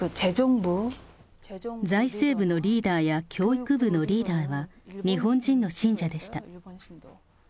財政部のリーダーや教育部のリーダーは、日本人の信者でした。